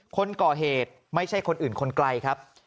คนก่อเหตุไม่ใช่คนอื่นคนไกลครับ